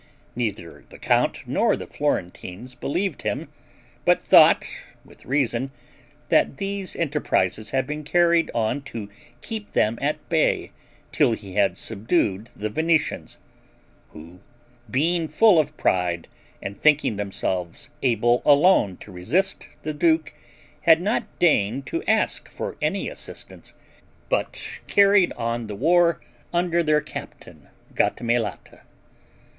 Neither the count nor the Florentines believed him, but thought, with reason, that these enterprises had been carried on to keep them at bay, till he had subdued the Venetians, who, being full of pride, and thinking themselves able alone to resist the duke, had not deigned to ask for any assistance, but carried on the war under their captain, Gattamelata.